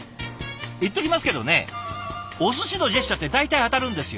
言っときますけどねおすしのジェスチャーって大体当たるんですよ。